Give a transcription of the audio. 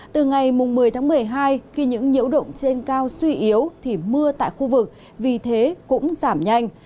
từ ngày một mươi tháng một mươi hai khi những nhiễu động trên cao suy yếu thì mưa tại khu vực vì thế cũng giảm nhanh